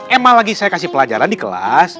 emang lagi saya kasih pelajaran di kelas